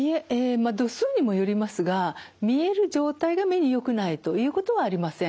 まあ度数にもよりますが見える状態が目によくないということはありません。